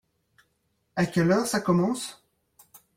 À quelle heure ça commence ?